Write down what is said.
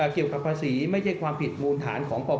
เกี่ยวกับภาษีไม่ใช่ความผิดมูลฐานของปป